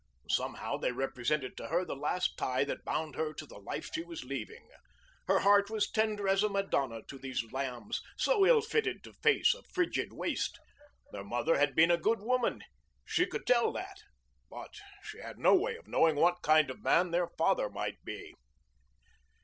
Somehow they represented to her the last tie that bound her to the life she was leaving. Her heart was tender as a Madonna to these lambs so ill fitted to face a frigid waste. Their mother had been a good woman. She could tell that. But she had no way of knowing what kind of man their father might be.